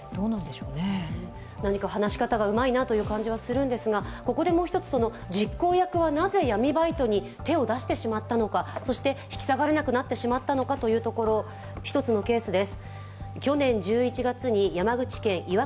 何か話し方がうまいなという感じがするんですが実行役はなぜ闇バイトに手を出してしまったのかそして引き下がれなくなってしまったのかというところ、一つのケースです。